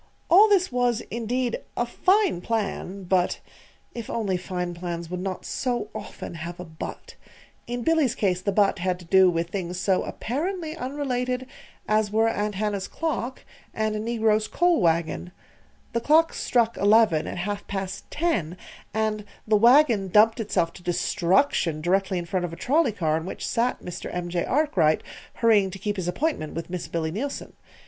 All this was, indeed, a fine plan; but (If only fine plans would not so often have a "but"!) In Billy's case the "but" had to do with things so apparently unrelated as were Aunt Hannah's clock and a negro's coal wagon. The clock struck eleven at half past ten, and the wagon dumped itself to destruction directly in front of a trolley car in which sat Mr. M. J. Arkwright, hurrying to keep his appointment with Miss Billy Neilson.